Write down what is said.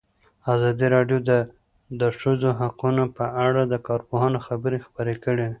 ازادي راډیو د د ښځو حقونه په اړه د کارپوهانو خبرې خپرې کړي.